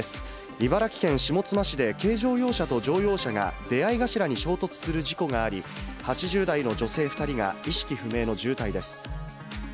茨城県下妻市で軽乗用車と乗用車が出会い頭に衝突する事故があり、８０代の女性２人が意識不明の重体です。